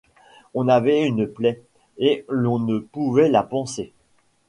On avait une plaie et l’on ne pouvait la panser.